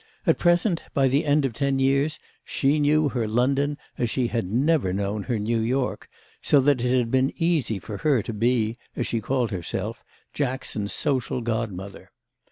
At present, by the end of ten years, she knew her London as she had never known her New York, so that it had been easy for her to be, as she called herself, Jackson's social godmother.